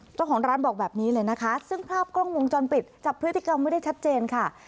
เจ้าของร้านบอกแบบนี้เลยนะคะซึ่งภาพกล้องวงจรปิดจับพฤติกรรมไม่ได้ชัดเจนค่ะ